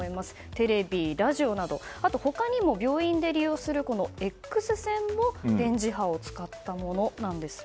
テレビ、ラジオなどあと他にも病院で利用するＸ線も電磁波を使ったものなんです。